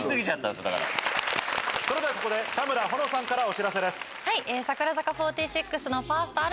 それではここで田村保乃さんからお知らせです。